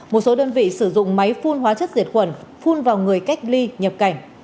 một số đơn vị sử dụng máy phun hóa chất diệt khuẩn phun vào người cách ly nhập cảnh